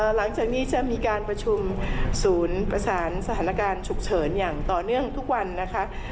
หลังจากนี้จะมีการประชุมศูนย์ประสานสถานการณ์ฉุกเฉินอย่างต่อเนื่องทุกวันนะคะ